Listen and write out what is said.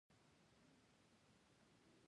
دی يې تر لوند سپي هم بد ايساوه.